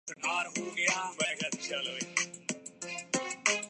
علم طبیعی کا ایک بنیادی شعبہ ہے